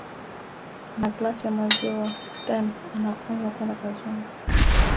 na glass ya maziwa then ukanywa ukaenda kazini